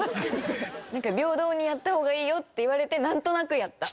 平等にやった方がいいよって言われてなんとなくやった。